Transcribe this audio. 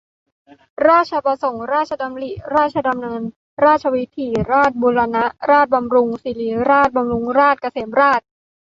ราชประสงค์ ราชดำริ ราชดำเนิน ราชวิถี ราษฎร์บูรณะ ราษฎร์บำรุง ศิริราช บำรุงราษฎร์ เกษมราษฏร์